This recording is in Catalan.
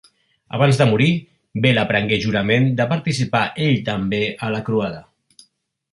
Abans de morir, Bela prengué jurament de participar ell també a la croada.